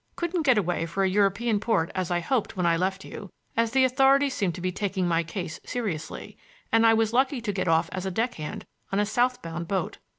Couldn't get away for a European port as I hoped when I left you, as the authorities seemed to be taking my case seriously, and I was lucky to get off as a deck hand on a south bound boat.